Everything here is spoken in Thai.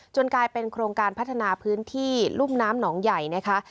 กลายเป็นโครงการพัฒนาพื้นที่รุ่มน้ำหนองใหญ่นะคะ